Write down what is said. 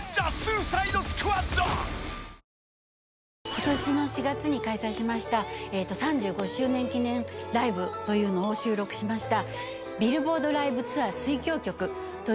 今年の４月に開催しました３５周年記念ライブを収録した。